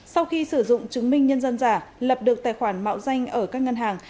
sau khi sử dụng chứng minh nhân dân giả lập được tài khoản mạo danh ở các ngân hàng